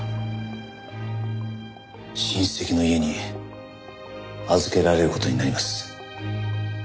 親戚の家に預けられる事になります。